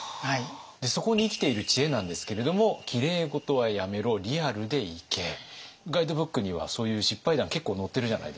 そこに生きている知恵なんですけれどもガイドブックにはそういう失敗談結構載ってるじゃないですか。